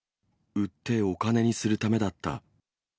売ってお金にするためだった。